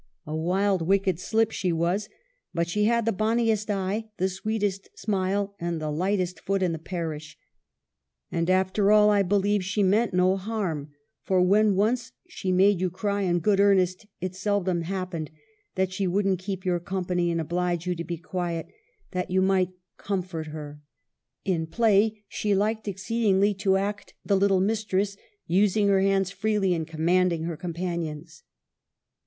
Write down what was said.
A wild, wicked slip she was ; but she had the bonniest eye, the sweetest smile, and the lightest foot in the parish. And after all, I believe, she meant no harm ; for, when once she made you cry in good earnest, it seldom happened that she wouldn't keep your company and oblige you to be quiet that you might com 240 EMILY BRONTE. fort her. In play she liked exceedingly to act the little mistress, using her hands freely and commanding her companions."